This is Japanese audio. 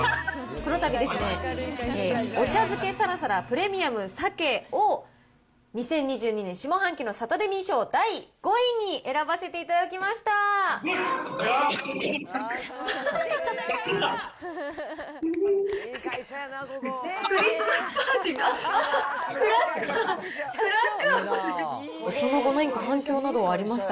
このたび、お茶漬けサラサラプレミアム鮭を、２０２２年下半期のサタデミー賞第５位に選ばせていただきましたやった！